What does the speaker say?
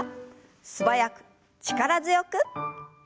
素早く力強く。